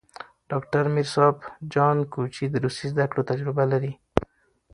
ډاکټر میر صاب جان کوچي د روسي زدکړو تجربه لري.